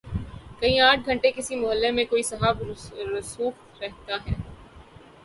کہیں آٹھ گھنٹے کسی محلے میں کوئی صاحب رسوخ رہتا ہے۔